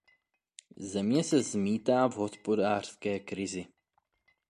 Země se zmítá v hospodářské krizi.